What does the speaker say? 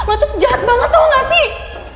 lu itu jahat banget tau gak sih